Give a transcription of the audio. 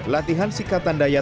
latihan sikatan daya